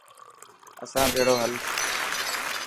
اسان بهڙو هل.